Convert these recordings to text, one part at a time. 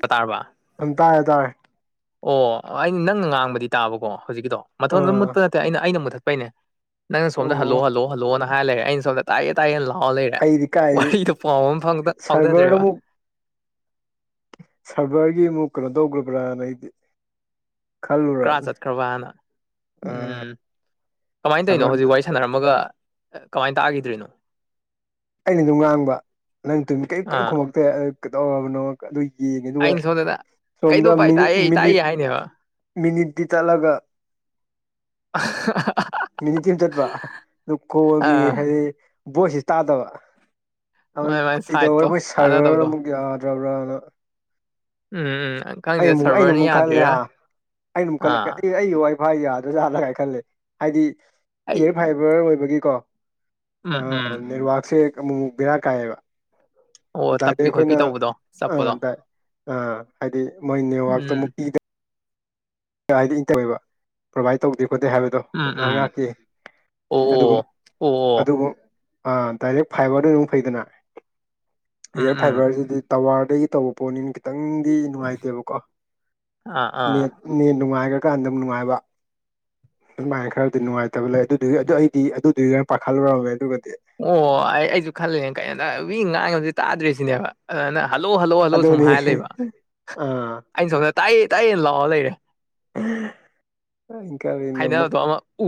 ꯄ ꯇꯥꯔꯕ ꯀꯟ ꯇꯥꯔꯦ ꯇꯥꯔꯦ ꯑꯣ ꯑꯩꯅ ꯅꯪꯅ ꯉꯥꯡꯕꯗꯤ ꯇꯥꯕꯀꯣ ꯍꯧꯖꯤꯛꯀꯤꯗꯣ ꯃꯊꯣꯟꯗ ꯑꯗꯨꯝ ꯑꯥ ꯃꯨꯠꯄ ꯅꯠꯇꯦ ꯑꯩꯅ ꯑꯩꯅ ꯃꯨꯊꯠ ꯄꯩꯅꯦ ꯅꯪꯅ ꯁꯣꯝꯗ ꯑꯣ ꯍꯂꯣꯜꯂꯣꯜꯂꯣꯅ ꯍꯥꯏꯔꯦ ꯑꯩꯅ ꯁꯣꯝꯗ ꯇꯥꯏꯌꯦꯦ ꯇꯥꯏꯌꯦꯦꯅ ꯂꯥꯎꯑꯣ ꯂꯩꯔꯦ ꯑꯩꯗꯤ ꯀꯥꯏꯗꯤ ꯋꯥꯔꯤꯗꯣ ꯄꯥꯎ ꯑꯃ ꯁꯔꯚꯔꯗ ꯐꯥꯎꯅꯗ꯭ꯔꯦꯕ ꯁꯚꯔꯒꯤ ꯑꯃꯨꯛ ꯀꯩꯅꯣ ꯇꯧꯈ꯭ꯔꯕ꯭ꯔꯥꯅ ꯑꯩꯗꯤ ꯀꯔ ꯈꯜꯂꯨꯔꯕꯅꯤ ꯆꯠꯈ꯭ꯔꯕꯅ ꯎꯝ ꯀꯃꯥꯏꯅ ꯇꯧꯔꯤꯅꯣ ꯍꯧꯖꯤꯛ ꯁꯔꯚꯔꯗ ꯋꯥ ꯁꯥꯟꯅꯔꯝꯃꯒ ꯀꯃꯥꯏꯅ ꯇꯥꯈꯤꯗ꯭ꯔꯤꯅꯣ ꯑꯩꯅ ꯑꯗꯨꯝ ꯉꯥꯡꯕ ꯅꯪ ꯇꯨꯝꯃꯤ ꯀꯔꯤ ꯀꯔꯤ ꯑꯥ ꯈꯣꯝꯃꯛꯇꯦ ꯑꯗꯨ ꯀꯩꯗꯧꯔꯕꯅꯣ ꯑꯗꯨ ꯌꯦꯡꯉꯦ ꯑꯗꯨꯒ ꯑꯩꯅ ꯁꯣꯝꯗꯅ ꯀꯩꯅꯣ ꯁꯣꯝꯗ ꯚꯥꯏ ꯃꯤꯅꯤꯠ ꯇꯥꯏꯌꯦ ꯃꯤꯅꯤꯠ ꯇꯥꯏꯌꯦ ꯍꯥꯏꯅꯦꯕ ꯃꯤꯅꯤꯠ ꯇꯥꯂꯒ ꯃꯤꯅꯤꯠ ꯊꯝ ꯆꯠꯄ ꯑꯗꯨ ꯀꯣꯒꯤ ꯑꯥ ꯍꯥꯏꯗꯤ ꯚꯣꯏꯁꯁꯤ ꯇꯥꯗꯕ ꯃꯥꯏ ꯃꯥꯏ ꯀꯗꯧꯕ ꯁꯥꯏꯠꯇꯣ ꯑꯩꯈꯣꯏ ꯁꯥꯔꯚꯔ ꯇꯥꯟꯅꯗꯕꯗꯣ ꯑꯃꯨꯛ ꯌꯥꯗ꯭ꯔꯕ꯭ꯔꯅ ꯎꯝ ꯎꯝ ꯑꯩ ꯈꯪꯗꯦ ꯑꯃꯨꯛ ꯑꯩꯅ ꯁꯔꯚꯔꯅ ꯑꯃꯨꯛ ꯈꯜꯂꯦ ꯌꯥꯗ꯭ꯔꯤꯔꯥ ꯑꯩꯅ ꯑꯃꯨꯛꯜꯂ ꯑꯥ ꯑꯩ ꯋꯥꯐꯥꯏ ꯌꯥꯗ꯭ꯔꯥꯖꯥꯠꯂꯒꯥꯏ ꯈꯜꯂꯦ ꯍꯥꯏꯗꯤ ꯑꯩ ꯏꯌꯔ ꯐꯥꯏꯕꯔ ꯑꯣꯏꯕꯒꯤꯀꯣ ꯑ ꯎꯝ ꯎꯝ ꯅꯦꯠꯋꯥꯛꯁꯦ ꯑꯃꯨꯛꯛ ꯕꯦꯔꯥ ꯀꯥꯏꯑꯕ ꯑꯣ ꯗꯥꯏꯔꯦꯛ ꯇꯞꯄꯤ ꯈꯣꯠꯄꯤ ꯑꯩꯈꯣꯏꯅ ꯇꯧꯕꯗꯣ ꯆꯠꯄꯗꯣ ꯑꯥ ꯑꯥ ꯍꯥꯏꯗꯤ ꯃꯣꯏ ꯎꯝ ꯅꯅꯤꯌꯨꯋꯔꯇꯨꯛ ꯀ ꯍꯥꯏꯗꯤ ꯏꯪ ꯇꯧꯋꯦꯕ ꯄ꯭ꯔꯣꯕꯥꯏꯠ ꯇꯧꯗꯦ ꯈꯣꯠꯇꯦ ꯍꯥꯏꯕꯗꯣ ꯎꯝ ꯉꯍ ꯎꯝ ꯉꯥꯛꯇꯦ ꯑꯗꯨꯒ ꯑꯣ ꯑꯣ ꯑꯣ ꯑꯗꯨꯕꯨ ꯗꯥꯏꯔꯦꯛ ꯐꯥꯏꯕꯔꯗꯨ ꯑꯗꯨꯝ ꯐꯩꯗꯅ ꯎꯝ ꯏꯌꯔ ꯎꯝ ꯐꯥꯏꯕꯔꯁꯤꯗꯤ ꯇꯋꯥꯔꯗꯒꯤ ꯇꯧꯕ ꯄꯣꯠꯅꯤꯅ ꯈꯤꯇꯪꯗꯤ ꯅꯨꯡꯉꯥꯏꯇꯦꯕꯀꯣ ꯑꯥ ꯑꯥ ꯅꯦꯠ ꯅꯨꯡꯉꯥꯏꯈ꯭ꯔꯀꯥꯟꯗꯝ ꯅꯨꯡꯉꯥꯏꯕ ꯑꯗꯨꯃꯥꯏꯅ ꯈꯔꯗꯤ ꯅꯨꯡꯉꯥꯏꯇꯕ ꯂꯩ ꯑꯗꯨꯗꯨꯒꯤ ꯑꯗꯨ ꯑꯩꯗꯤ ꯑꯗꯨꯗꯨꯒꯤ ꯈ ꯄꯥꯈꯠꯂꯨꯔꯕꯃꯦ ꯑꯗꯨꯗꯤ ꯑꯣ ꯑꯩ ꯑꯩꯁꯨ ꯈꯜꯂꯤꯦ ꯀꯩꯅꯣꯗ ꯋ ꯉꯥꯡꯉꯕꯕꯁꯤ ꯇꯥꯗ꯭ꯔꯤꯁꯤꯅꯦꯕ ꯑꯗꯨꯅ ꯍꯜꯂꯣ ꯍꯜꯂꯨ ꯍꯜꯂꯨ ꯁꯨꯝ ꯑꯗꯨꯅꯤ ꯍꯥꯏ ꯂꯩꯕ ꯑꯥ ꯑꯩꯅ ꯁꯣꯝꯗ ꯇꯥꯛꯑꯦ ꯇꯥꯛꯑꯦꯅ ꯂꯥꯛꯑꯣ ꯂꯩꯔꯦ ꯏꯪꯀ ꯅꯤꯃꯣ ꯍꯥꯏꯅꯕꯗꯣ ꯑꯃ ꯎ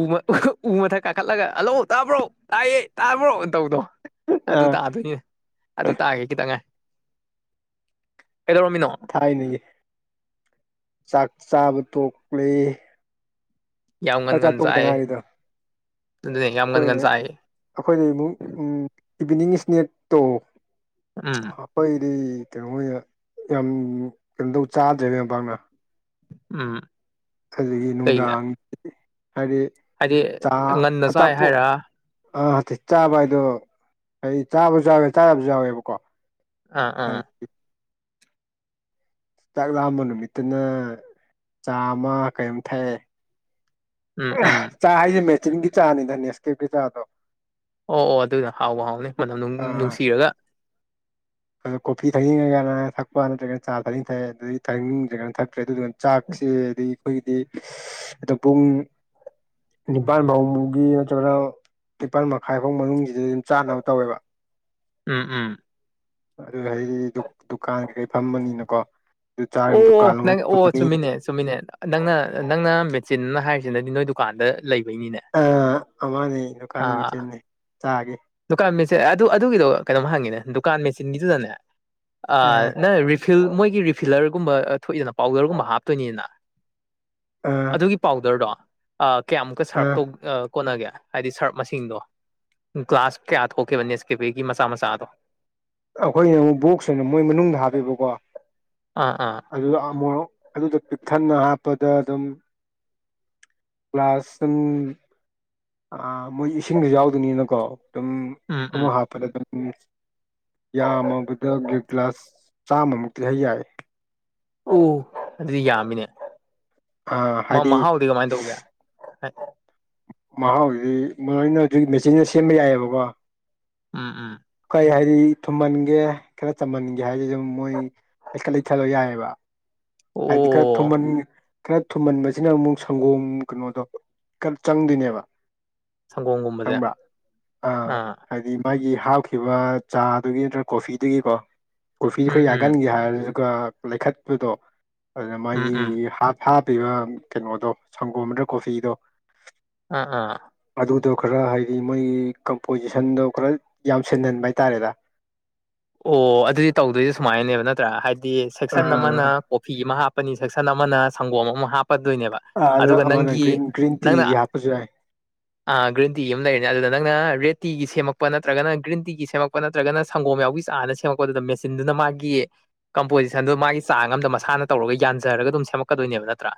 ꯎ ꯃꯊꯛ ꯀꯥꯈꯠꯂꯒ ꯍꯜꯂꯧ ꯇꯥꯕ꯭ꯔꯣ ꯇꯥꯏꯌꯦ ꯇꯥꯕ꯭ꯔꯣꯅ ꯇꯧꯕꯗꯣ ꯑꯗꯨ ꯑꯥ ꯇꯥ ꯑꯗꯨꯅꯤ ꯑꯗꯨ ꯇꯥꯒꯦ ꯈꯤꯇꯪꯉꯥꯏ ꯀꯩꯗꯧꯔꯝꯃꯤꯅꯣ ꯊꯥꯏꯅꯒꯤ ꯆꯥꯛ ꯆꯥꯕ ꯇꯣꯛꯂꯦ ꯆꯥꯛꯆꯥ ꯌꯥꯃꯒꯟꯒꯟ ꯇꯣꯛꯇ ꯆꯑ ꯉꯥꯏꯔꯤꯗ ꯑꯗꯨ ꯌꯥꯃꯒꯟꯒꯟ ꯆꯑ ꯑꯩꯈꯣꯏꯗ ꯑꯃꯨꯛ ꯏꯚꯤꯅꯤꯡ ꯏꯁꯅꯦꯦꯛ ꯇꯧ ꯎꯝ ꯍꯥꯄꯩꯗꯤ ꯀꯩꯅꯣꯣꯏ ꯌꯥꯝ ꯀꯩꯅꯣ ꯇꯧ ꯆꯥꯗ꯭ꯔꯦ ꯃꯦꯝꯄꯥꯛꯅ ꯎꯝ ꯑꯗꯒꯤ ꯀꯩꯒꯤ ꯅꯨꯡꯗꯥꯡ ꯍꯥꯏꯗꯤ ꯍꯥꯏꯗꯤ ꯉꯟꯅ ꯆꯥꯏ ꯍꯥꯏꯔꯥ꯫ ꯑꯥ ꯇꯤꯠ ꯆꯥꯕ ꯍꯥꯏꯗꯣ ꯑꯩ ꯆꯥꯕꯁꯨ ꯌꯥꯎꯋꯦ ꯆꯥꯗꯕꯁꯨ ꯌꯥꯎꯋꯦꯕꯀꯣ꯫ ꯑꯥ ꯑꯥ꯫ ꯍꯥꯏꯗꯤ ꯆꯥꯛ ꯂꯥꯝꯕ ꯅꯨꯃꯤꯠꯇꯅ ꯆꯥꯃ ꯀꯩꯝ ꯊꯛꯑꯦ꯫ ꯎꯝ ꯎꯝ ꯆꯥ ꯍꯥꯏꯁꯦ ꯃꯦꯆꯤꯟꯒꯤ ꯆꯥꯅꯤꯗ ꯅꯦꯁꯀꯦꯞꯀꯤ ꯆꯥꯗꯣ꯫ ꯑꯣ ꯑꯣ ꯑꯗꯨꯏꯗꫭ ꯍꯥꯎꯕꯨ ꯍꯥꯎꯅꯤ ꯃꯅꯝ ꯑꯥ ꯅꯨꯡꯁꯤꯔꯒ꯫ ꯑꯗꯣ ꯀꯣꯐꯤ ꯊꯛꯅꯤꯡꯑꯒꯅ ꯊꯛꯄ ꯅꯠꯇ꯭ꯔꯒꯅ ꯆꯥ ꯊꯛꯅꯤꯡ ꯊꯛꯑꯦ ꯑꯗꯨꯒꯤ ꯊꯥꯛꯅꯤꯡꯗ꯭ꯔꯒꯅ ꯊꯛꯇ꯭ꯔꯦ ꯑꯗꯨꯗꯨꯒ ꯆꯥꯛꯁꯦ ꯑꯗꯩ ꯑꯩꯈꯣꯏꯒꯤꯗꯤ ꯑꯣ ꯄꯨꯡ ꯅꯤꯄꯥꯜ ꯐꯥꯎꯨꯒꯤ ꯅꯠꯇ꯭ꯔꯒꯅ ꯅꯤꯄꯥꯜ ꯃꯈꯥꯏ ꯐꯥꯎ ꯃꯅꯨꯡꯁꯤꯗ ꯑꯗꯨꯝ ꯆꯥꯅꯕ ꯇꯧꯋꯦꯕ ꯎꯝ ꯎꯝ ꯑꯗꯨ ꯍꯥꯏꯗꯤ ꯗꯨꯀꯥꯟ ꯀꯩ ꯀꯩ ꯐꯝꯃꯅꯤꯅꯀꯣ ꯑꯗꯨ ꯆꯥꯔꯤꯕ ꯑꯣ ꯗꯨꯀꯥꯟ ꯑꯃ ꯅꯪ ꯑꯣ ꯐꯝꯃꯅꯤ ꯆꯨꯝꯃꯤꯅꯦ ꯆꯨꯝꯃꯤꯅꯦ ꯅꯪꯅ ꯅꯪꯅ ꯃꯦꯆꯤꯟꯅꯟꯅ ꯍꯥꯏꯔꯤꯁꯤꯅꯗꯤ ꯅꯣꯏ ꯗꯨꯀꯥꯟꯗ ꯂꯩꯕꯩꯅꯤꯅꯦ ꯑ ꯑꯃꯅꯦ ꯗꯨꯀꯥꯟꯒꯤ ꯑꯥ ꯃꯆꯤꯟꯅ ꯆꯥꯒꯦ ꯗꯨꯀꯥꯟ ꯃꯦꯆꯤꯟ ꯑꯗꯨ ꯑꯗꯨꯒꯤꯗꯣ ꯀꯩꯅꯣꯝ ꯍꯪꯉꯤꯅꯦ ꯗꯨꯀꯥꯟ ꯃꯦꯆꯤꯟꯒꯤꯗꯨꯗꯅꯦ ꯑ ꯅ ꯃꯣꯏꯒꯤ ꯔꯤꯐꯤꯂꯔꯒꯨꯝꯕ ꯊꯣꯛꯏꯗꯅ ꯄꯥꯎꯗꯔꯒꯨꯝꯕ ꯍꯥꯞꯇꯣꯏꯅꯤꯗꯅ ꯑ ꯑꯗꯨꯒꯤ ꯄꯥꯎꯗꯔꯗꯣ ꯑ ꯀꯌꯥꯃꯨꯛꯀ ꯑ ꯁꯔꯞ ꯇꯧ ꯑ ꯀꯣꯟꯅꯒꯦ ꯍꯥꯏꯗꯤ ꯁꯔꯞ ꯃꯁꯤꯡꯗꯣ꯫ ꯒ꯭ꯂꯥꯁ ꯀꯌꯥ ꯊꯣꯛꯀꯦꯕ ꯅꯦꯁꯀꯦꯐꯦꯒꯤ ꯃꯆꯥ ꯃꯆꯥꯗꯣ꯫ ꯑꯩꯈꯣꯏꯅ ꯑꯃꯨꯛ ꯕꯣꯛꯁ ꯑꫭꯏꯅ ꯃꯣꯏ ꯃꯅꯨꯡꯗ ꯍꯥꯞꯄꯤꯕꯀꯣ꯫ ꯑꯥ ꯑꯥ꯫ ꯑꯗꯨꯗ ꯑꯃꯣꯔꯣꯛ ꯑꯗꯨꯗ ꯄꯤꯛꯊꯟꯅ ꯍꯥꯞꯄꯗ ꯑꯗꯨꯝ ꯀ꯭ꯂꯥꯁ [inaudible] ꯑꯥ ꯃꯣꯏ ꯏꯁꯤꯡꯁꯨ ꯌꯥꯎꯗꫭꯏꯅꯤꯅꯀꯣ ꯑꯗꯨꯝ ꯎꯝ ꯎꯝ ꯑꯃ ꯍꯥꯞꯄꯗ ꯑꯗꯨꯝ ꯌꯥꯝꯃꯕꯗ ꯒ ꯒ꯭ꯂꯥꯁ ꯆꯥꯝꯃꯃꯨꯛꯇꯤ ꯍꯩ ꯌꯥꯏ꯫ ꯎ ꯑꯗꯨꯗꯤ ꯌꯥꯝꯃꯤꯅꯦ ꯃ ꯍꯥꯏꯗꯤ ꯃꯍꯥꯎꯗꯤ ꯀꯃꯥꯏꯅ ꯇꯧꯒꯦ꯫ ꯃꯍꯥꯎꯁꯤꯗꯤ ꯃꯔꯥꯏꯅ ꯑꯗꯨꯒꯤ ꯃꯦꯆꯤꯟꯗ ꯁꯦꯝꯕ ꯌꯥꯏꯑꯕꯀꯣ꯫ ꯎꯝ ꯎꯝ꯫ ꯀꯔꯤ ꯍꯥꯏꯗꯤ ꯊꯨꯝꯃꯟꯒꯦ ꯈꯔ ꯆꯝꯃꯟꯒꯦ ꯍꯥꯏꯁꯤ ꯑꯗꯨꯝ ꯃꯣꯏ ꯂꯩꯈꯠ ꯂꯩꯊ ꯂꯣ ꯌꯥꯏꯑꯦꯕ꯫ ꯍꯥꯏꯗꯤ ꯈꯔ ꯊꯨꯝꯟ ꯑꯣ ꯈꯔ ꯊꯨꯝꯃꯟꯕꯁꯤꯅ ꯑꯃꯨꯛ ꯁꯪꯒꯣꯝ ꯀꯩꯅꯣꯗꯣ ꯈꯔ ꯆꯪꯗꯣꯏꯅꯦꯕ꯫ ꯁꯪꯒꯣꯝꯒꯨꯝꯕꯁꯦ ꯈꯪꯕ꯭ꯔ ꯑꯥ ꯍꯥꯏꯗꯤ ꯃꯥꯒꯤ ꯍꯥꯞꯈꯤꯕ ꯆꯥꯗꯨꯒꯤ ꯅꯠꯇ꯭ꯔꯒ ꯀꯣꯐꯤꯗꯨꯒꯤꯀꯣ꯫ ꯀꯣꯐꯤ ꯈ ꯎꯝ ꯎꯝ ꯌꯥꯒꯟꯒꯦ ꯍꯥꯏꯔꯗꯨꯒ ꯂꯩꯈꯠꯄꯗꯣ ꯑꯗꯨꯅ ꯎꯝ ꯃꯥꯒꯤ ꯎꯝ ꯍꯥ ꯍꯥꯞꯄꯤꯕ ꯀꯩꯅꯣꯗꯣ ꯁꯪꯒꯣꯝ ꯗ꯭ꯔ ꯀꯣꯐꯤꯗꯣ꯫ ꯑ ꯑꯥ꯫ ꯑꯗꯨꯗꯣ ꯈꯔ ꯍꯥꯏꯗꯤ ꯃꯣꯏꯒꯤ ꯀꯝꯄꯣꯖꯤꯁꯟꯗꯣ ꯈꯔ ꯌꯥꯝ ꯁꯦꯟꯍꯟꯕ ꯍꯥꯏꯇꯥꯔꯦꯗ꯫ ꯑꯣ ꯑꯗꯨꯗꯤ ꯇꯧꯗꯣꯏꯁ ꯁꯨꯃꯥꯏꯅꯅꯦꯕ ꯅꯠꯇ꯭ꯔꯥ ꯍꯥꯏꯗꯤ ꯁꯦꯛꯁꯟ ꯑꯃꯅ ꯑꯥ ꯀꯣꯐꯤ ꯑꯃ ꯍꯥꯞꯄꯅꯤ ꯁꯦꯛꯁꯟ ꯑꯃꯅ ꯁꯪꯒꯣꯝ ꯑꯃ ꯍꯥꯞꯄꯗꯣꯏꯅꯦꯕ꯫ ꯑ ꯑꯗ ꯑꯗꯨꯒ ꯑꯃꯅ ꯅꯪꯒꯤ ꯒ꯭ꯔꯤꯟ ꯒ꯭ꯔꯤꯟ ꯅꯪꯅ ꯇꯤꯒꯤ ꯍꯥꯞꯄꯁꯨ ꯌꯥꯏ꯫ [unintelligible] ꯑ ꯒ꯭ꯔꯤꯟ ꯇꯤ ꯑꯃ ꯂꯩꯔꯅꯤ ꯑꯗꯨꯗ ꯅꯪꯅꯥ ꯔꯦꯠ ꯇꯤꯒꯤ ꯁꯦꯝꯃꯛꯄ ꯅꯠꯇ꯭ꯔꯒ ꯒ꯭ꯔꯤꯟ ꯇꯤꯒꯤ ꯁꯦꯝꯃꯛꯄ ꯅꯠꯇ꯭ꯔꯒꯅ ꯁꯪꯒꯣꯝ ꯌꯥꯎꯕꯤ ꯁ ꯆꯥꯅ ꯁꯦꯝꯃꯛꯄꯗꯨꯗ ꯃꯦꯆꯤꯟꯗꯨꯅ ꯃꯥꯒꯤ ꯀꯝꯄꯣꯖꯤꯁꯟꯗꯨ ꯃꯥꯒꯤ ꯆꯥꯡ ꯑꯝꯗ ꯃꯁꯥꯅ ꯇꯧꯔꯒ ꯌꯥꯟꯖꯔꯒ ꯑꯗꯨꯝ ꯁꯦꯝꯃꯛꯀꯗꯣꯏꯅꯦꯕ ꯅꯠꯇ꯭ꯔꯥ꯫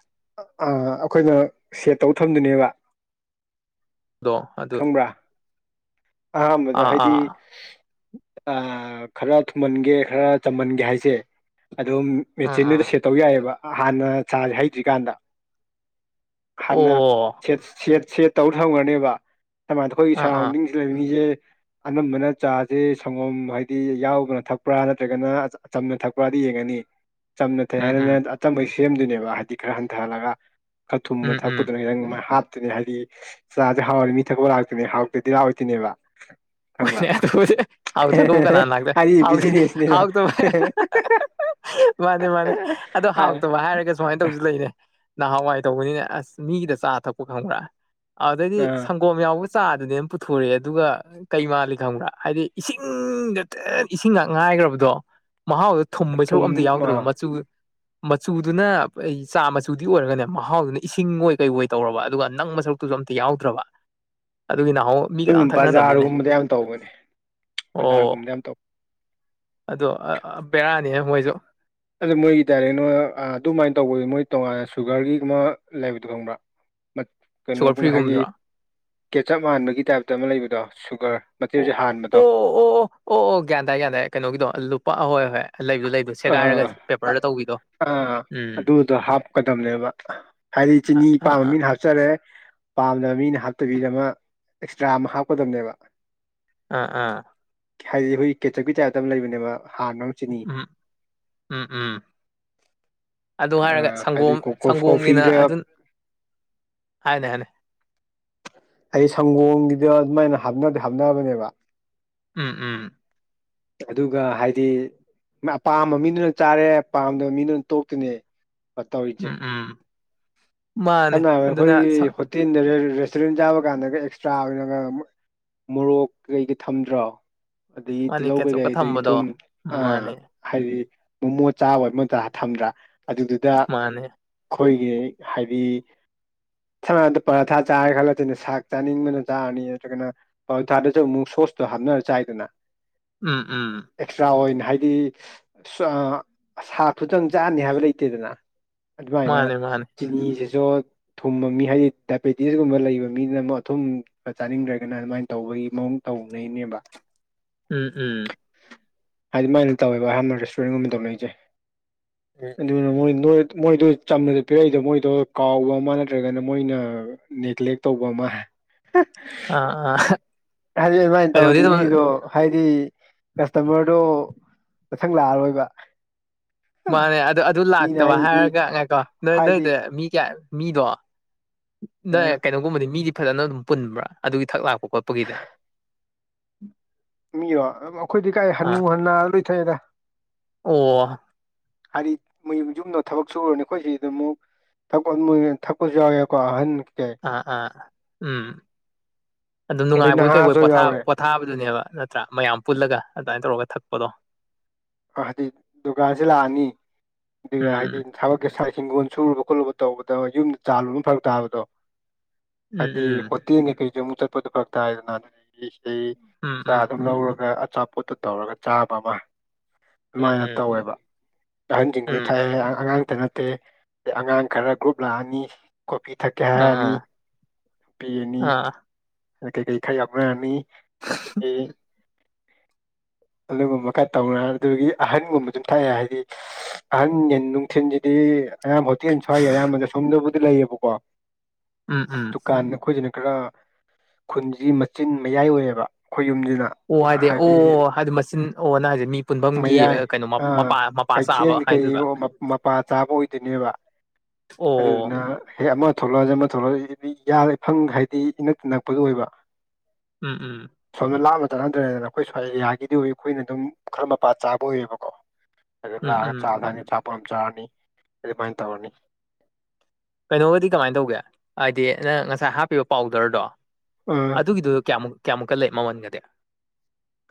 ꯑ ꯑꯩꯈꯣꯏꯅ ꯁꯦꯠ ꯇꯧ ꯊꯝꯗꯨꯏꯅꯦꯕ꯫ ꯑꯗꯣ ꯑꯗꯨ ꯈꯪꯕ꯭ꯔꯥ ꯑꯍꯥꯟꯕꯗ ꯑꯥ ꯍꯥꯏꯗꯤ ꯑꯥ ꯈꯔ ꯊꯨꯝꯍꯟꯒꯦ ꯈꯔ ꯆꯝꯍꯟꯒꯦ ꯍꯥꯏꯁꯦ ꯑꯗꯨꯝ ꯑꯥ ꯑꯥ ꯃꯦꯆꯤꯟꯗꯨꯗ ꯁꯦꯠꯇꯧ ꯌꯥꯏꯑꯦꯕ ꯍꯥꯟꯅ ꯆꯥꯁꯦ ꯍꯩꯗ꯭ꯔꯤꯀꯥꯟꯗ꯫ ꯑꯣ ꯍꯥꯟꯅ ꯁꯦꯠ ꯁꯦꯠ ꯁꯦꯠ ꯇꯧꯔ ꯊꯝꯈ꯭ꯔꯅꯦꯕ ꯑꯗꯨꯃꯥꯏꯅ ꯑꯩꯈꯣꯏꯒꯤ ꯑꯥ ꯑꯥ ꯁꯔꯥꯎꯟꯗꯤꯡ ꯁꯤ ꯂꯩꯕ ꯃꯤꯁꯦ ꯑꯅꯝꯕꯅ ꯆꯥꯁꯦ ꯁꯪꯒꯣꯝ ꯍꯥꯏꯗꯤ ꯌꯥꯎꯕꯅ ꯊꯛꯄ꯭ꯔꯥ ꯅꯠꯇ꯭ꯔꯒꯅ ꯆꯝꯅ ꯊꯛꯄ꯭ꯔꯗꯤ ꯌꯦꯡꯑꯅꯤ꯫ ꯆꯝꯅ ꯊꯛꯑꯦ ꯎꯝ ꯎꯝ ꯍꯥꯏꯔꯅ ꯑꯆꯝꯕꯩ ꯁꯦꯝꯗꯣꯏꯅꯦꯕ ꯍꯥꯏꯗꯤ ꯈꯔ ꯍꯟꯊꯍꯜꯂꯒ꯫ ꯈꯥ ꯎꯝ ꯊꯨꯝꯕ ꯎꯝ ꯊꯛꯄꯗꯨꯅ ꯈꯤꯇꯪ ꯃꯥꯏ ꯍꯥꯞꯇꯨꯅꯦ ꯍꯥꯏꯗꯤ ꯆꯥꯁꯦ ꯍꯥꯎꯔꯤ ꯃꯤ ꯊꯛꯄ ꯂꯥꯛꯇꯨꯅꯦ ꯍꯥꯎꯇꯗꯤ ꯂꯥꯛꯑꯣꯏꯇꫭꯏꯅꯦꯕ꯫ [unintelligible] [unintelligible] ꯍꯥꯏꯗꯤ ꯕꯤꯖꯤꯅꯦꯁꯅꯤꯅ ꯃꯥꯅꯦ ꯃꯥꯅꯦ ꯑꯗꯣ ꯍꯥꯎꯇꯕ ꯍꯥꯏꯔꯒꯁꯨ ꯁꯨꯃꯥꯏꯅ ꯇꯧꯁꯨ ꯂꯩꯅꯦ ꯅꯍꯥꯟꯋꯥꯏ ꯇꯧꯕꯅꯤꯅꯦ ꯑꯁ ꯃꯤꯒꯤꯗ ꯆꯥ ꯊꯛꯄ ꯈꯪꯕ꯭ꯔꯥ ꯑꯗꯩꯗꯤ ꯁꯪꯒꯣꯝ ꯌꯥꯎꯕ ꯆꯥꯗꯨꯅꯦ ꯄꯨꯊꯣꯔꯛꯑꯦ ꯑꯗꯨꯒ ꯀꯩ ꯃꯥꯜꯂꯤ ꯈꯪꯕ꯭ꯔꯥ ꯍꯥꯏꯗꯤ ꯏꯁꯤꯡꯗ ꯏꯁꯤꯡ ꯉꯥꯛ ꯉꯥꯏꯈ꯭ꯔꯕꯗꯣ ꯃꯍꯥꯎꯗ ꯑ ꯊꯨꯝꯕꯩ ꯁꯔꯨꯛ ꯊꯨꯝ ꯑꯝꯇ ꯌꯥꯎꯗ꯭ꯔꯗꯣ ꯃꯆꯨ ꯃꯆꯨꯗꯨꯅ ꯑꯩ ꯆꯥ ꯃꯆꯨꯗꯤ ꯑꯣꯏꯔꯒꯅꯦ ꯃꯍꯥꯎꯗꯨꯅ ꯏꯁꯤꯡꯉꯣꯏ ꯀꯩ ꯑꯣꯏ ꯇꯧꯔꯕ ꯑꯗꯨꯒ ꯅꯪ ꯃꯁꯛ ꯇꯨꯁꯨ ꯑꯝꯇ ꯌꯥꯎꯗ꯭ꯔꯕ ꯑꯗꯨꯒꯤ ꯅꯅꯥꯍꯣ ꯃꯤ ꯀꯅꯥꯝ ꯊꯛꯅꯗꯕꯅꯤꯅꯦ ꯀꯌꯥꯝ ꯇꯧꯕꯅꯤ ꯑꯣ ꯑꯗꯣ ꯕꯦꯔꯥꯅꯤ ꯃꯣꯏꯁꯨ ꯑꯗꯨ ꯃꯣꯏꯒꯤ ꯗꯥꯏꯔꯦꯛ ꯅꯣꯏ ꯑꯗꯨꯃꯥꯏꯅ ꯇꯧꯕ ꯃꯣꯏ ꯇꯣꯉꯥꯟꯅ ꯁꯨꯒꯔꯒꯤꯒꯨꯝ ꯂꯩꯕꯗꯣ ꯈꯪꯕ꯭ꯔꯥ [unintelligible] ꯁꯨꯒꯔ ꯀꯩꯅꯣꯒ ꯉ ꯍꯥꯏꯒꯤ ꯐ꯭ꯔꯤꯒꯨꯝꯕꯗꯨꯔꯣ ꯀꯦꯆꯞ ꯃꯥꯟꯕꯒꯤ ꯇꯥꯏꯞꯇ ꯑꯃ ꯂꯩꯕꯗꯣ ꯁꯨꯒꯔ ꯃꯆꯦꯁꯦ ꯑꯣ ꯑꯣ ꯍꯥꯟꯕꯗꯣ ꯑꯣ ꯑꯣ ꯑꯣ ꯒ꯭ꯌꯥꯟ ꯇꯥꯢ ꯒ꯭꯭ꯌꯥꯟ ꯇꯥꯏ ꯀꯩꯅꯣꯒꯤꯗꯣ ꯂꯨꯄꯥ ꯑꯍꯣꯏ ꯑꯍꯣꯏ ꯂꯩꯕ ꯂꯩ ꯑꯗꯨ ꯁꯦꯒꯥꯏꯔꯒ ꯄꯦꯄꯔꯗ ꯇꯧꯕꯤꯗꯣ ꯎꯝ ꯑꯗꯨꯗ ꯍꯥꯞꯀꯗꯕꯅꯦꯕ ꯍꯥꯏꯗꯤ ꯑꯥ ꯆꯤꯅꯤ ꯑꯥ ꯄꯥꯝꯕ ꯑꯥ ꯃꯤꯅ ꯍꯥꯞꯆꯔꯦ ꯄꯥꯝꯗꯕ ꯃꯤꯅ ꯍꯥꯞꯇꯕꯤꯗ ꯑꯃ ꯑꯦꯛꯁꯇ꯭ꯔꯥ ꯑꯃ ꯍꯥꯞꯀꯗꯕꯅꯦꯕ ꯑ ꯑꯥ ꯍꯥꯏꯗꯤ ꯑꯩꯈꯣꯏ ꯀꯦꯆꯞꯀꯤ ꯇꯥꯏꯞꯇ ꯑꯃ ꯂꯩꯕꯅꯦꯕ ꯍꯥꯟꯕ ꯑꯃ ꯆꯤꯅꯤ ꯎꯝ ꯎꯝ ꯎꯝ ꯑꯗꯨ ꯑ ꯍꯥꯏꯔꯒ ꯁꯪꯒꯣꯝ ꯍꯥꯏꯗꯤ ꯀꯣ ꯁꯪꯒꯣꯝꯒꯤꯅ ꯀꯣꯐꯤꯗ ꯑꯗꯨꯝ ꯍꯥꯏꯅꯤ ꯍꯥꯏꯅꯤ ꯑꯩ ꯁꯪꯒꯣꯝꯒꯤꯗ ꯑꯗꯨꯃꯥꯏꯅ ꯍꯥꯞꯅꯗꯦ ꯍꯥꯞꯅꯕꯅꯦꯕ ꯎꯝ ꯎꯝ ꯑꯗꯨꯒ ꯍꯥꯏꯗꯤ ꯑꯄꯥꯝꯕ ꯃꯤꯗꯨꯅ ꯆꯥꯔꯦ ꯄꯥꯝꯗꯕ ꯃꯤꯗꯨꯅ ꯇꯣꯛꯇꯅꯦ ꯎꯝ ꯎꯝ ꯃꯥꯅꯦ ꯁꯝꯅ ꯍꯥꯏꯔꯕꯗ ꯑꯗꯨꯅ ꯁ ꯑꯩꯈꯣꯏꯒꯤ ꯍꯣꯇꯦꯜ ꯔꯦꯁꯇꯨꯔꯦꯟ ꯆꯥꯕ ꯀꯥꯟꯗꯒ ꯑꯦꯛꯁꯇ꯭ꯔꯥ ꯑꯣꯏꯅꯒ ꯃꯣꯔꯣꯛ ꯀꯩꯀ ꯊꯝꯗ꯭ꯔꯣ ꯑꯗꯒꯤ ꯃꯥꯅꯦ ꯇꯤꯜꯍꯧ ꯀꯦꯆꯞꯀ ꯀꯩꯀꯩꯗꯒꯤ ꯊꯝꯕꯗꯣ ꯊꯨꯝ ꯑꯥ ꯃꯥꯅꯦ ꯍꯥꯏꯗꯤ ꯃꯣꯃꯣ ꯆꯥꯕ ꯃꯗ ꯊꯝꯗ꯭ꯔꯥ ꯑꯗꯨꯗꯨꯗ ꯃꯥꯅꯦ ꯑꯩꯈꯣꯏꯒꯤ ꯍꯥꯏꯗꯤ [unintelligible] ꯁꯗ ꯄꯔꯥꯊꯥ ꯆꯥꯔꯦ ꯈꯜꯂꯁꯤꯅꯦ ꯁꯥꯛ ꯆꯥꯅꯤꯡꯕꯅ ꯆꯥꯔꯅꯤ ꯑꯗꯨꯒꯅ ꯄꯥꯎ ꯊꯥꯔꯗꯁꯨ ꯑꯃꯨꯛ ꯁꯣꯁꯇꯣ ꯍꯥꯞꯅꯔ ꯆꯥꯏꯗꯅ ꯎꯝ ꯎꯝ ꯑꯦꯛꯁꯇ꯭ꯔꯥ ꯑꯣꯏꯅ ꯍꯥꯏꯗꯤ ꯁꯥꯛ ꯇꯨꯇꯪ ꯆꯥꯅꯤ ꯍꯥꯏꯕ ꯂꯩꯇꯦꯗꯅ ꯑꯗꯨꯃꯥꯏꯅ ꯃꯥꯅꯦ ꯃꯥꯅꯦ ꯆꯤ ꯁ ꯊꯨꯝꯕ ꯃꯤ ꯍꯥꯏꯗꯤ ꯗꯥꯏꯕꯦꯇꯤꯁꯀꯨꯝꯕ ꯂꯩꯕ ꯃꯤꯗꯨꯅ ꯑꯃꯨꯛ ꯑꯊꯨꯝ ꯈ ꯆꯥꯅꯤꯡꯗ꯭ꯔꯒꯅ ꯑꯗꯨꯃꯥꯏꯅ ꯇꯧꯕꯒꯤ ꯃꯑꯣꯡ ꯇꯧꯅꯩꯅꯦꯕ ꯎꯝ ꯎꯝ ꯍꯥꯏꯗꯤ ꯃꯥꯏꯅ ꯇꯧꯋꯦꯕ ꯑꯍꯥꯟꯕ ꯔꯦꯁꯇꯨꯔꯦꯟꯒꯨꯝꯕꯗꯧ ꯂꯩꯁꯦ ꯎꯝ ꯑꯗꯨꯅꯣꯏ ꯃꯣꯏꯗꯣ ꯆꯝꯅ ꯄꯤꯔꯛꯏꯗ ꯃꯣꯏꯗꯣ ꯀꯥꯎꯕ ꯑꯃ ꯅꯠꯇ꯭ꯔꯒꯅ ꯃꯣꯏꯅ ꯅꯦꯒ꯭ꯂꯦꯛ ꯇꯧꯕ ꯑꯃ ꯑ ꯍꯥꯏꯗꯤ ꯑꯗꯨꯃꯥꯏꯅ ꯇꯧꯗꯤ ꯃꯤꯗꯣ ꯍꯥꯏꯗꯤ ꯀꯁꯇꯃꯔꯗꯣ ꯃꯊꯪ ꯂꯥꯛꯑꯔꯣꯏꯕ ꯃꯥꯅꯦ ꯑꯗꯨ ꯑꯗꯨ ꯃꯤꯅ ꯂꯥꯛꯇꯕ ꯍꯥꯏꯗꯤ ꯍꯥꯏꯔꯒ ꯉꯥꯏꯀꯣ ꯅꯣꯏ ꯍꯥꯏꯗꯤ ꯅꯣꯏꯗ ꯃꯤ ꯀꯌꯥ ꯃꯤꯗꯣ ꯅ ꯀꯩꯅꯣꯒꯨꯝꯕꯗꯤ ꯃꯤꯗꯤ ꯐꯖꯅ ꯑꯗꯨꯝ ꯄꯨꯟꯕ꯭ꯔꯥ ꯑꯗꯨꯒꯤ ꯊꯛ ꯂꯥꯛꯄ ꯈꯣꯠꯄꯒꯤꯅꯦ ꯃꯤꯔꯣ ꯑꯩꯈꯣꯏꯗꯤ ꯀꯥꯏ ꯑꯥ ꯍꯟꯅꯨ ꯍꯟꯅ ꯂꯣꯏꯊꯛꯑꯦꯗ ꯑꯣ ꯍꯥꯏꯗꯤ ꯃꯌꯨꯝ ꯌꯨꯝꯗꯣ ꯊꯕꯛ ꯁꯨꯔꯅꯦ ꯑꯩꯈꯣꯏ ꯁꯤꯗ ꯑꯃꯨꯛ ꯊꯛꯄꯥ ꯑꯗꯨꯝꯕꯩ ꯌꯦꯟ ꯊꯛꯄꯁꯨ ꯌꯥꯎꯏꯀꯣ ꯑꯍꯟ ꯀꯩ ꯑꯥ ꯑꯥ ꯎꯝ ꯑꯗꯨꯝ ꯑꯗꯩ ꯅꯨꯡꯉꯥꯏꯕꯣꯏ ꯀꯩꯕꯣꯏ ꯅꯍꯥꯁꯨ ꯄꯣꯊꯥ ꯌꯥꯎꯔꯦ ꯄꯣꯠ ꯊꯥꯕꯗꯨꯅꯦꯕ ꯅꯠꯇ꯭ꯔꯥ ꯃꯌꯥꯝ ꯄꯨꯜꯂꯒ ꯑꯗꯨꯃꯥꯏꯅ ꯇꯧꯔꯒ ꯊꯛꯄꯗꯣ ꯍꯥꯏꯗꯤ ꯗꯨꯒꯥꯁꯦ ꯂꯥꯛꯑꯅꯤ ꯑꯗꯨꯒ ꯍꯥꯏꯗꯤ ꯎꯝ ꯊꯕꯛꯀꯤꯁꯥꯏ ꯍꯤꯡꯒꯣꯜ ꯁꯨꯔꯨꯕ ꯈꯣꯠꯂꯨꯕ ꯇꯧꯕꯗ ꯌꯨꯝꯗ ꯆꯥꯜꯂꯨꯕꯅ ꯐꯔꯛ ꯇꯥꯕꯗꯣ ꯎꯝ ꯍꯥꯏꯗꯤ ꯎꯝ ꯍꯣꯇꯦꯜꯅꯤ ꯀꯩꯁꯨ ꯑꯃꯨꯛ ꯆꯠꯄꯗꯨꯣ ꯈꯔ ꯇꯥꯏꯗꯅ ꯑꯗꯨꯗꯒꯤ ꯁꯤꯗꯩ ꯎꯝ ꯆ ꯎꯝ ꯑꯗꯨꯝ ꯂꯧꯔꯒ ꯑꯆꯥꯄꯣꯠꯇꯨ ꯇꯧꯔꯒ ꯆꯥꯕ ꯑꯃ ꯎꯝ ꯑꯗꯨꯃꯥꯏꯅ ꯎꯝ ꯇꯧꯋꯦꯕ ꯑꯍꯟꯁꯤꯡꯒꯣꯏ ꯎꯝ ꯊꯥꯏꯑꯦ ꯑꯉꯥꯡꯇ ꯅ ꯑ ꯑꯉꯥꯡ ꯈꯔ ꯒ꯭ꯔꯨꯞ ꯂꯥꯛꯑꯅꯤ ꯀꯣꯄꯤ ꯊꯛꯀꯦ ꯑꯥ ꯍꯥꯏꯔꯛꯑꯅꯤ ꯑꯥ ꯄꯤꯔꯅꯤ ꯑꯥ ꯑ ꯀꯩꯀꯩ ꯈꯔ ꯌꯥꯎꯅꯔꯅꯤ ꯑꯗꯨ ꯑꯗꯨꯒꯨꯝꯕ ꯈꯔ ꯇꯧꯅ ꯑꯗꯨꯗꯒꯤ ꯑꯍꯟꯒꯨꯝꯕ ꯑꯗꯨꯝ ꯊꯛꯑꯦ ꯍꯥꯏꯗꯤ ꯑꯍꯟ ꯌꯦꯟ ꯅꯨꯡꯊꯤꯟꯁꯤꯗꯤ ꯑꯌꯥꯝ ꯍꯣꯇꯦꯟ ꯁ꯭ꯋꯥꯏꯒꯤ ꯑꯌꯥꯝꯕꯅ ꯁꯣꯝꯗꯕꯨꯗꯤ ꯂꯩꯌꯦꯕꯀꯣ ꯎꯝ ꯎꯝ ꯇꯨꯀꯥꯟ ꯑꯈꯣꯏꯖꯤꯅꯦ ꯈꯔ ꯈꯨꯟꯁꯤ ꯃꯆꯤꯟ ꯃꯌꯥꯏ ꯑꯣꯏꯌꯦꯕ ꯑꯩꯈꯣꯏ ꯌꯨꯝꯁꯤꯅ ꯑꯣ ꯍꯥꯏꯗꯤ ꯑꯣ ꯍꯥꯏꯗꯤ ꯃꯆꯤꯟ ꯑꯣ ꯅ ꯍꯥꯏꯁꯦ ꯃꯤ ꯄꯨꯟꯐꯝꯒꯤ ꯃꯌꯥꯏ ꯀꯩꯅꯣ ꯑꯥ ꯃꯄꯥ ꯃꯄꯥ ꯆꯥꯕ ꯀꯩꯊꯦꯟꯒꯤ ꯍꯥꯏꯗꯣꯏꯕ ꯀꯩꯑꯣ ꯃꯄꯥ ꯆꯥꯕ ꯑꯣꯏꯗꯣꯏꯅꯦꯕ ꯑꯣ ꯑꯗꯨꯗꯨꯅ ꯍꯦ ꯑꯃ ꯊꯣꯛꯂꯛꯑꯗꯤ ꯑꯃ ꯊꯣꯛꯂꯛꯑꯗꯤ ꯌꯥꯔꯦ ꯐꯪ ꯍꯥꯏꯗꯤ ꯏꯅꯛ ꯅꯛꯄꯗꯣ ꯑꯣꯏꯕ ꯎꯝ ꯎꯝ ꯁꯣꯝꯗ ꯂꯥꯞꯅ ꯆꯪꯍꯟꯗ꯭ꯔꯦꯗꯅ ꯑꯩꯈꯣꯏ ꯁ꯭ꯋꯥꯏ ꯑꯦꯔꯤꯌꯥꯒꯤꯗꯤ ꯑꯩꯈꯣꯏꯅ ꯑꯗꯨꯝ ꯈꯔ ꯃꯄꯥ ꯆꯥꯕ ꯑꯣꯏꯌꯦꯕꯀꯣ ꯑꯗꯨ ꯎꯝ ꯂꯥꯛꯑꯒ ꯎꯝ ꯆꯥ ꯊꯥꯑꯅꯤ ꯆꯥꯄꯣꯠ ꯑꯃ ꯆꯥꯔꯅꯤ ꯑꯗꯨꯃꯥꯏꯅ ꯇꯧꯔꯅꯤ ꯀꯩꯅꯣꯒꯗꯤ ꯀꯃꯥꯏꯅ ꯇꯧꯒꯦ ꯍꯥꯏꯗꯤ ꯅꯪ ꯉꯁꯥꯏ ꯍꯥꯞꯄꯤꯕ ꯄꯥꯎꯗꯔꯗꯣ ꯎꯝ ꯑꯗꯨꯒꯤꯗꯨ ꯀꯌꯥꯃꯨꯛ ꯀꯌꯥꯃꯨꯛꯀ ꯂꯩ ꯃꯃꯟꯒꯗꯤ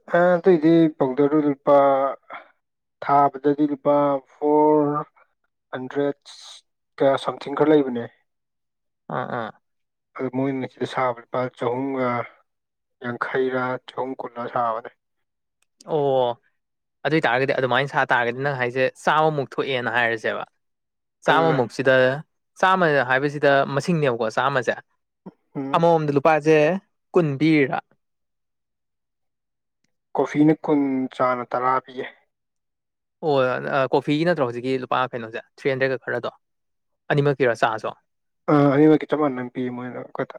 ꯈꯔꯥ ꯑꯇꯩꯗꯤ ꯄꯥꯎꯗꯔꯗꯨ ꯂꯨꯄꯥ ꯊꯥꯕꯗꯗꯤ ꯂꯨꯄꯥ ꯐꯣꯔ ꯍꯟꯗ꯭ꯔꯦꯠꯁ ꯀꯌꯥ ꯁꯝꯊꯤꯡ ꯈꯔ ꯂꯩꯕꯅꯦ ꯑꯥ ꯑꯥ ꯑꯗꯨ ꯃꯣꯏꯅ ꯁꯤꯗ ꯁꯥꯕ ꯂꯨꯄꯥ ꯆꯥꯍꯨꯝꯒ ꯌꯥꯡꯈꯩꯔꯥ ꯆꯍꯨꯝ ꯀꯨꯜꯂꯥ ꯁꯥꯕꯅꯦ ꯑꯣ ꯑꯗꯨꯏ ꯇꯥꯥꯔꯒꯗꯤ ꯑꯗꯨꯃꯥꯏ ꯁꯥ ꯇꯥꯔꯒꯗꯤ ꯅꯪ ꯍꯥꯏꯁꯦ ꯆꯥꯝꯃꯨꯛ ꯊꯣꯛꯑꯦꯅ ꯍꯥꯏꯔꯁꯦꯕ ꯎꯝ ꯆꯥꯝꯃꯃꯨꯛꯁꯤꯗ ꯆꯥꯝꯃ ꯍꯥꯏꯕꯁꯤꯗ ꯃꯁꯤꯡꯅꯦꯕꯀꯣ ꯆꯥꯝꯃꯁꯦ ꯎꯝ ꯑꯃꯃꯣꯝꯗ ꯂꯨꯄꯥꯁꯦ ꯀꯨꯟ ꯄꯤꯔꯥ ꯀꯣꯐꯤꯅ ꯀꯨꯟ ꯆꯥꯅ ꯇꯔꯥ ꯄꯤꯌꯦ ꯑꯣ ꯀꯣꯐꯤꯒꯤ ꯅꯠꯇ꯭ꯔꯣ ꯍꯧꯖꯤꯛꯀꯤ ꯂꯨꯄꯥ ꯀꯩꯅꯣꯁꯦ ꯊ꯭ꯔꯤ ꯍꯟꯗ꯭ꯔꯦꯠꯀ ꯈꯔꯗꯣ ꯑꯅꯤꯃꯛꯀꯤꯔꯣ ꯆꯥꯁꯨ ꯑ ꯑꯅꯤꯃꯛꯛꯀꯤ ꯆꯞ ꯃꯥꯟꯅ ꯄꯤꯌꯦ ꯃꯣꯏꯅ ꯑꯩꯈꯣꯏꯗ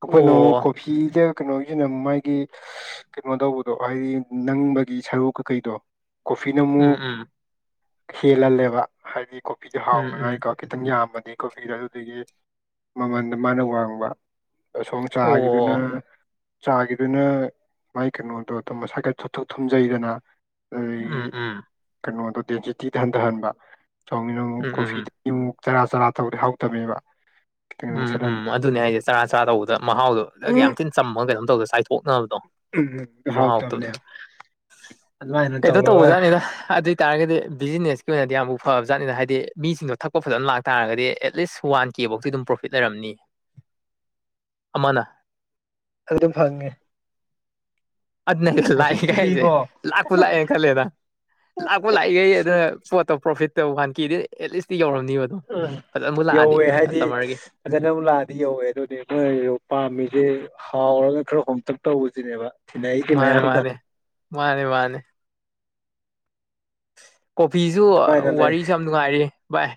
ꯑꯩꯈꯣꯏꯅ ꯑꯃꯃꯛ ꯀꯣꯐ ꯐꯤꯗ ꯀꯩꯅꯣꯒꯤꯅ ꯃꯥꯒꯤ ꯀꯩꯅꯣ ꯇꯧꯕꯗꯣ ꯍꯥꯏꯗꯤ ꯅꯪꯕꯒꯤ ꯁꯔꯨꯛ ꯀꯀꯩꯗꯣ ꯀꯣꯐꯤꯅ ꯎꯝ ꯑꯃꯨꯛ ꯎꯝ ꯍꯦꯜꯍꯜꯂꯦꯕ ꯍꯥꯏꯗꯤ ꯀꯣꯐꯤꯗꯨ ꯎꯝ ꯎꯝ ꯍꯥꯎꯅꯉꯥꯏꯀꯣ ꯈꯤꯇꯪ ꯌꯥꯝꯃꯗꯤ ꯀꯣꯐꯤꯗꯣ ꯑꯗꯨꯗꯒꯤ ꯃꯃꯟꯗ ꯃꯥꯅ ꯋꯥꯡꯕ ꯑꯁꯣꯝ ꯑꯣ ꯆꯥꯒꯤꯗꯨꯅ ꯆꯥꯒꯤꯗꯨꯅ ꯃꯥꯏ ꯀꯩꯅꯣꯗꯣ ꯑꯗꯨꯝ ꯃꯁꯥꯏꯀ ꯊꯨꯊꯨ ꯊꯨꯝꯖꯩꯗꯅ ꯎꯝ ꯑꯗꯨꯗꯒꯤ ꯎꯝ ꯀꯩꯅꯣꯗꯣ ꯗꯦꯟꯁꯤꯇꯤꯗ ꯍꯟꯊꯍꯟꯕ ꯁꯣꯝꯅꯤꯅ ꯑꯃꯨꯛ ꯎꯝ ꯀꯣꯐꯤ ꯎꯝ ꯑꯃꯨꯛ ꯆꯔꯥ ꯆꯔꯥ ꯇꯧ ꯍꯧꯇꯕꯅꯦꯕ ꯎꯝ ꯎꯝ ꯑꯗꯨꯅꯦ ꯑꯩꯁꯦ ꯆꯔꯥ ꯆꯔꯥ ꯇꯧꯕꯗ ꯃꯍꯥꯎꯗꯣꯒ ꯌꯥꯝ ꯊꯤꯟ ꯆꯝꯃꯒ ꯀꯩꯅꯣ ꯇꯧꯗ ꯆꯥꯏꯊꯣꯛꯅꯕꯗꯣ ꯖꯨꯍꯥꯎꯇꯨꯗ ꯍꯥꯎꯇꯕꯅꯦꯕ ꯑꯗꯨꯃꯥꯏꯅ ꯀꯩꯇ ꯇꯧꯔꯒ ꯇꯧꯕꯖꯥꯠꯅꯤꯅ ꯑꯗꯨ ꯑꯣꯏ ꯇꯇꯥꯔꯒꯗꯤ ꯕꯤꯖꯤꯅꯦꯁꯀꯤ ꯑꯣꯏꯅꯗꯤ ꯌꯥꯝꯕꯨ ꯐꯕ ꯖꯥꯠꯅꯤꯅ ꯍꯥꯏꯗꯤ ꯃꯤꯁꯤꯡꯗꯣ ꯊꯛꯄ ꯐꯖꯅ ꯂꯥꯛꯇꯥꯥꯔꯒꯗꯤ ꯑꯦꯠꯂꯤꯁ ꯋꯥꯟ ꯀꯦꯐꯧꯇꯤ ꯑꯗꯨꯝ ꯄ꯭ꯔꯣꯐꯤꯠ ꯂꯩꯔꯝꯅꯤ ꯑꯃꯅ ꯑꯗꯨꯣ ꯐꯪꯤ ꯑꯗꯨꯅ ꯂꯥꯛꯏꯈꯩꯁꯦ ꯄ꯭ꯔꯣꯐꯤꯠꯀꯤꯗꯤꯀꯣ ꯂꯥꯛꯄ ꯂꯥꯛꯑꯦꯅ ꯈꯜꯂꯦꯗ ꯂꯥꯛꯄ ꯂꯥꯛꯏꯈꯩ ꯑꯗꯨꯅ ꯄꯣꯠꯇꯣ ꯄ꯭ꯔꯣꯐꯤꯠ ꯇꯧ ꯀꯥꯟꯀꯤꯗꯦ ꯑꯦꯠꯂꯤꯁꯇꯤ ꯌꯧꯔꯝꯅꯤꯕ ꯑꯗꯨꯝ ꯎꯝ ꯐꯖꯅꯕꯨ ꯂꯥꯛꯑꯗꯤ ꯌꯧꯋꯦ ꯍꯥꯏꯗꯤ ꯀꯁꯇꯃꯔꯒꯤ ꯐꯖꯅ ꯑꯃꯨꯛ ꯂꯥꯛꯑꯗꯤ ꯌꯧꯋꯦ ꯑꯗꯨꯅꯦ ꯃꯒꯤꯅꯦ ꯄꯥꯝꯃꯤꯁꯦ ꯍꯥꯎꯔꯒ ꯈꯔ ꯍꯣꯝꯇꯛ ꯇꯧꯕꯁꯤꯅꯦꯕꯥ ꯃꯥꯅꯦ ꯃꯥꯅꯦ ꯃꯥꯅꯦ ꯃꯥꯅꯦ ꯀꯣꯐꯤꯁꯨ ꯑꯗꯨꯃꯥꯏꯅ ꯂꯩ ꯋꯥꯔꯤꯁꯨ ꯌꯥꯝ ꯅꯨꯡꯉꯥꯏꯔꯤ ꯚꯥꯏ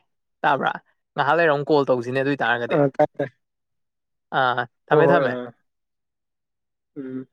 ꯇꯥꯕ꯭ꯔꯥ ꯉꯥꯏꯍꯥꯛ ꯂꯩꯔꯝ ꯀꯣꯜ ꯇꯧꯁꯤꯅꯦ ꯑꯗꯨꯏ ꯑꯧ ꯇꯞꯄꯦ ꯑꯥ ꯊꯝꯃꯦ ꯊꯝꯃꯦ ꯎꯝ